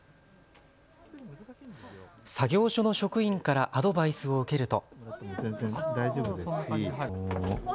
作業所の職員からアドバイスを受けると。